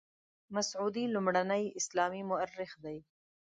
مسعودي لومړنی اسلامي مورخ دی.